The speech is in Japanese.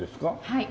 はい。